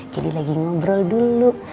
jadi lagi ngobrol dulu